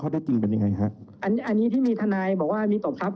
แล้วก็ทราบว่าของมีเยอะแล้วก็เจ้าของของอีกทีเป็นผู้ค้ารายใหญ่มากครับในภาคกลางครับ